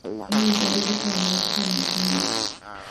އެއީ ގޮނޑިތަކާއި މޭޒުތައް ނެތީމަ